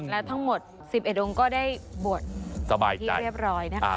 แล้วทั้งหมด๑๑องค์ก็ได้บวชที่เรียบร้อยนะคะ